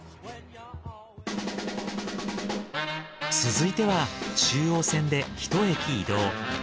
続いては中央線で１駅移動。